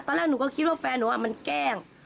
ตอนแรกหนูก็คิดว่าแฟนหนูมันแกล้ง